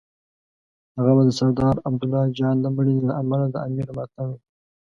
هغه به د سردار عبدالله جان د مړینې له امله د امیر ماتم وي.